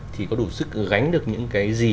thì có đủ sức gánh được những cái gì